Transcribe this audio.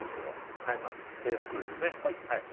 はい低木類ですね。